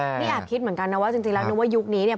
นี่แอบคิดเหมือนกันนะว่าจริงแล้วนึกว่ายุคนี้เนี่ย